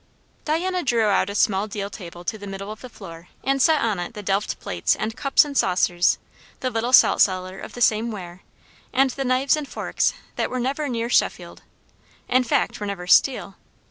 Diana drew out a small deal table to the middle of the floor, and set on it the delf plates and cups and saucers, the little saltcellar of the same ware, and the knives and forks that were never near Sheffield; in fact, were never steel.